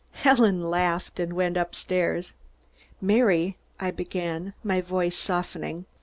Helen laughed and went up stairs. "Mary " I began, my voice softening.